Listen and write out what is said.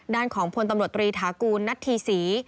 ด้านของพลตำรวจตรีฐากูลนัทธีศรี